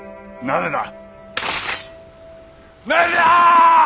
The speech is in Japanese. なぜだ！